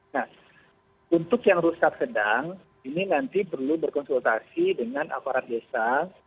nah untuk yang rusak sedang ini nanti perlu berkonsultasi dengan aparat desa